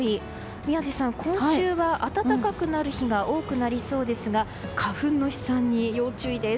宮司さん、今週は暖かくなる日が多くなりそうですが花粉の飛散に要注意です。